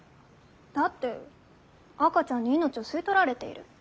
だって赤ちゃんに命を吸い取られている。